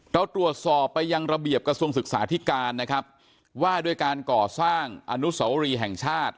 เราตรวจสอบไปยังระเบียบกระทรวงศึกษาธิการนะครับว่าด้วยการก่อสร้างอนุสวรีแห่งชาติ